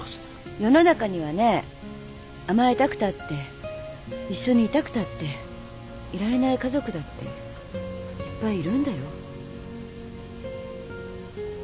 世の中にはね甘えたくたって一緒にいたくたっていられない家族だっていっぱいいるんだよ。